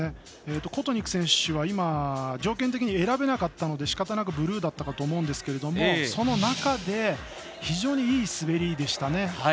コトニク選手は今、条件的に選べなかったのでしかたなくブルーだったかと思うんですけどその中で非常にいい滑りでしたね。